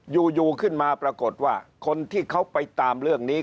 อยู่ขึ้นมาปรากฏว่าคนที่เขาไปตามเรื่องนี้